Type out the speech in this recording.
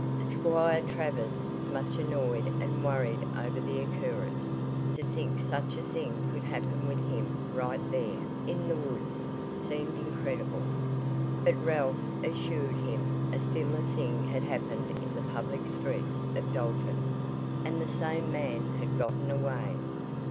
Squire Travers was much annoyed and worried over the occurrence. To think such a thing could happen with him right there, in the woods, seemed incredible. But Ralph assured him a similar thing had happened in the public streets of Dalton, and the same man had gotten away.